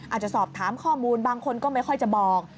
อาจจะสอบถามข้อมูลบางคนก็ไม่ค่อยจะบอก